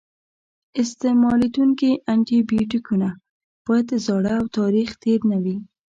استعمالیدونکي انټي بیوټیکونه باید زاړه او تاریخ تېر نه وي.